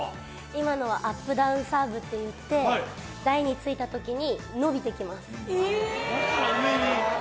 今のはアップダウンサーブっていって、台についたときに、伸びてきます。